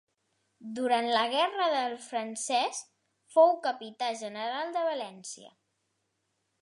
Durant la guerra del francès fou Capità general de València.